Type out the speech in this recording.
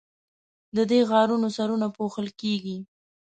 د دې غارونو سرونه پوښل کیږي.